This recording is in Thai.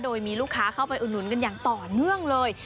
โดยมีลูกค้าเข้าไปอุดหนุนกันอย่างต่อเนื่องเลย